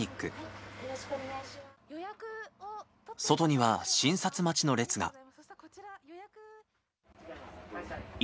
外には診察待ちの列が。